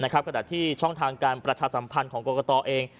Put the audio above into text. ขณะที่ช่องทางการประชาสัมพันธ์ของกรกตเอง